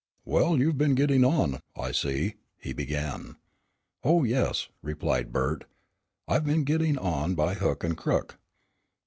"Well, you've been getting on, I see," he began. "Oh, yes," replied Bert, "I have been getting on by hook and crook."